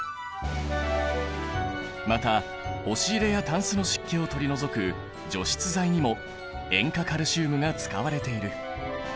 また押し入れやタンスの湿気を取り除く除湿剤にも塩化カルシウムが使われている。